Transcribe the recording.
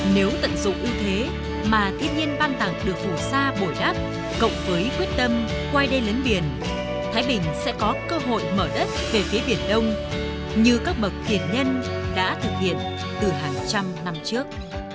nếu tận dụng ưu thế mà thiên nhiên ban tặng được phù sa bồi đắp cộng với quyết tâm quay đê lấn biển thái bình sẽ có cơ hội mở đất về phía biển đông như các bậc tiền nhân đã thực hiện từ hàng trăm năm trước